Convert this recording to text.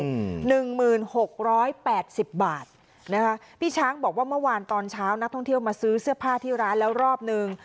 อืมหนึ่งหมื่นหกร้อยแปดสิบบาทนะคะพี่ช้างบอกว่าเมื่อวานตอนเช้านักท่องเที่ยวมาซื้อเสื้อผ้าที่ร้านแล้วรอบหนึ่ง